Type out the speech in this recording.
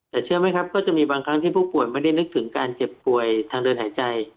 แต่เชื่อไหมครับก็จะมีบางครั้งที่ผู้ป่วยไม่ได้นึกถึงการเจ็บป่วยทางเดินหายใจ